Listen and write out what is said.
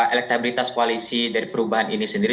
elektabilitas koalisi dari perubahan ini sendiri